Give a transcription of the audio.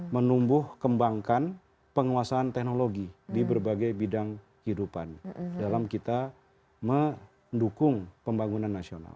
menumbuh kembangkan penguasaan teknologi di berbagai bidang kehidupan dalam kita mendukung pembangunan nasional